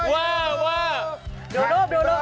เวอร์เวอร์เวอร์